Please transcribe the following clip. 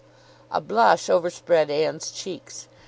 A blush overspread Anne's cheeks.